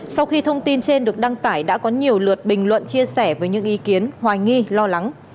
sau khi thông tin trên được đăng tải đã có nhiều lượt bình luận chia sẻ với những ý kiến hoài nghi lo lắng